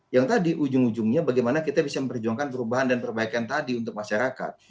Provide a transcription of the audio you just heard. yang tadi ujung ujungnya bagaimana kita bisa memperjuangkan perubahan dan perbaikan tadi untuk masyarakat